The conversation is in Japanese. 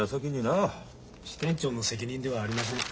支店長の責任ではありません。